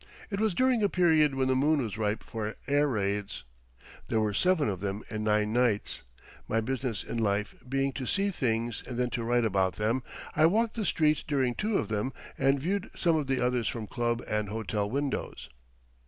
It was during a period when the moon was ripe for air raids. There were seven of them in nine nights. My business in life being to see things and then to write about them, I walked the streets during two of them and viewed some of the others from club and hotel windows.